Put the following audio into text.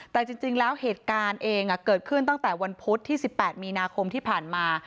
แต่จริงแล้วเหตุการณ์เองเกิดขึ้นตั้งแต่วันพุธที่๑๘มีนาคมที่ผ่านมา